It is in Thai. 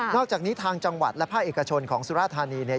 นอกจากนี้ทางจังหวัดและผ้าเอกชนของสุรธานี